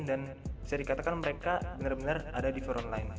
dan bisa dikatakan mereka benar benar ada di forokan